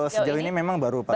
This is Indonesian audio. sejauh ini memang baru pak